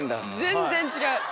全然違う。